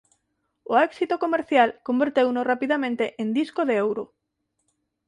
O éxito comercial converteuno rapidamente en disco de ouro.